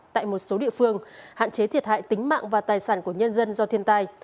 tại một số địa phương hạn chế thiệt hại tính mạng và tài sản của nhân dân do thiên tai